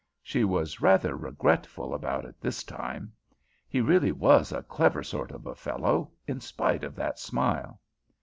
She was rather regretful about it this time. He really was a clever sort of a fellow, in spite of that smile.